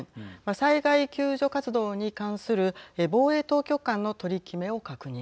・災害救助活動に関する防衛当局間の取り決めを確認。